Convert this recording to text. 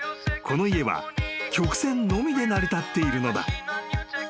この家は曲線のみで成り立っているのだ］